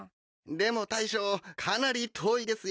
でも大将かなり遠いですよ。